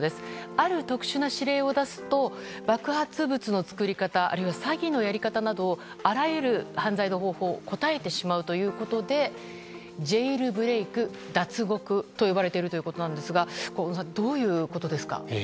ある特殊な指令を出すと爆発物の作り方や詐欺のやり方などあらゆる犯罪の方法を答えてしまうということでジェイルブレーク・脱獄と呼ばれているということですが小野さん、どういうことですか？